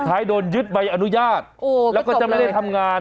ท้ายโดนยึดใบอนุญาตแล้วก็จะไม่ได้ทำงาน